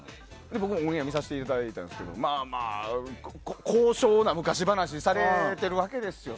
僕もオンエアを見させていただいたんですけど高尚な昔話をされているわけですよ。